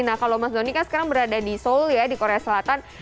nah kalau mas doni kan sekarang berada di seoul ya di korea selatan